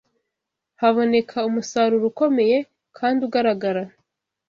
haboneka umusaruro ukomeye kandi ugaragara.